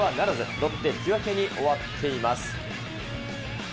ロッテ、引き分けに終わっています。